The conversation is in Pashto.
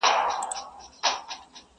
شمع ده چي مړه سي رڼا نه لري،